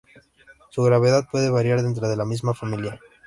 Su gravedad puede variar dentro de la misma familia.